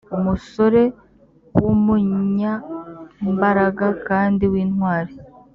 umusore w umunyambaraga kandi w intwari